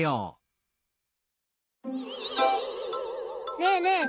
ねえねえ！